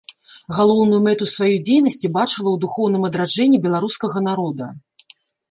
Галоўную мэту сваёй дзейнасці бачыла ў духоўным адраджэнні беларускага народа.